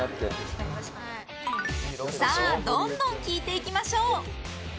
さあ、どんどん聞いていきましょう！